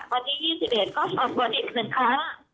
วันที่๒๑ก็สอบส่วนอีก๑ครั้ง